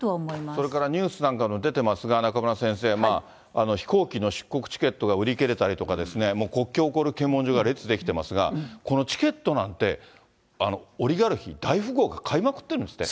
それからニュースなんかにも出てますが、中村先生、飛行機の出国チケットが売り切れたりとか、国境を越える検問所が列出来てますが、このチケットなんて、オリガルヒ、大富豪が買いまくってるんですって？